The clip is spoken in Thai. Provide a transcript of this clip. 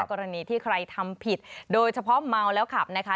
กรณีที่ใครทำผิดโดยเฉพาะเมาแล้วขับนะคะ